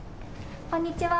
こんにちは。